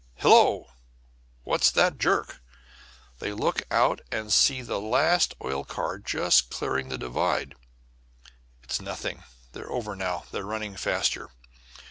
Hello! What's that jerk? They look out and see the last oil car just clearing the divide. It's nothing; they're over now; they're running faster.